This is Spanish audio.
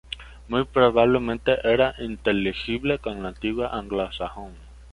Muy probablemente era inteligible con el antiguo anglosajón.